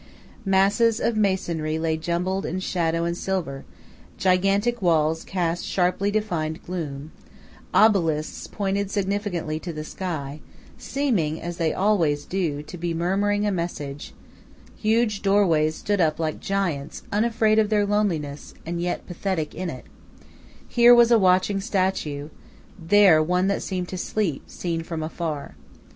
Masses of masonry lay jumbled in shadow and in silver; gigantic walls cast sharply defined gloom; obelisks pointed significantly to the sky, seeming, as they always do, to be murmuring a message; huge doorways stood up like giants unafraid of their loneliness and yet pathetic in it; here was a watching statue, there one that seemed to sleep, seen from afar.